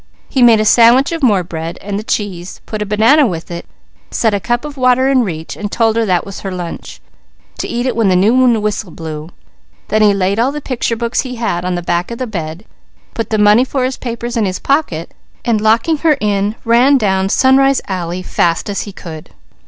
He made a sandwich of more bread, and the cheese, put a banana with it, set a cup of water in reach, and told her that was her lunch; to eat it when the noon whistles blew. Then he laid all the picture books he had on the back of the bed, put the money for his papers in his pocket, and locking her in, ran down Sunrise Alley fast as he could.